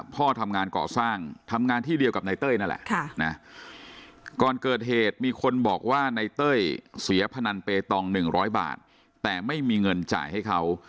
พ่อทำงานเกาะสร้างทำงานที่เดียวกับนายเต้ยนั่นแหละ